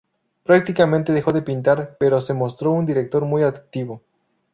Prácticamente dejó de pintar, pero se mostró un director muy activo.